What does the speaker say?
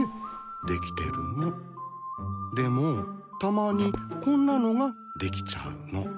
でもたまにこんなのができちゃうの。